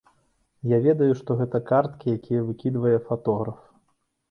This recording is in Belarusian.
Я ведаю, што гэта карткі, якія выкідвае фатограф.